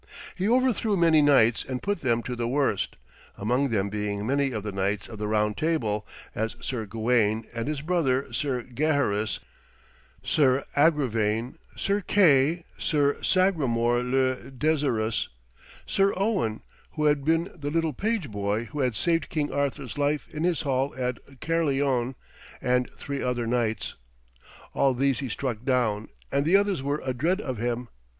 He overthrew many knights and put them to the worst, among them being many of the knights of the Round Table, as Sir Gawaine and his brother Sir Gaheris, Sir Agravaine, Sir Kay, Sir Sagramore le Desirous, Sir Owen, who had been the little page boy who had saved King Arthur's life in his hall at Caerleon, and three other knights. All these he struck down, and the others were adread of him.